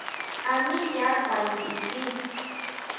¿A mí yaa kuan nyi ti?